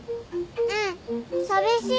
うん寂しい。